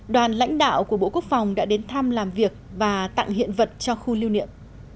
đoàn lãnh đạo của bộ quốc phòng đã đến thăm làm việc và tặng hiện vật cho khu lưu niệm